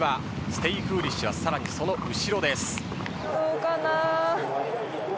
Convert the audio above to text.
ステイフーリッシュはさらにその後ろです。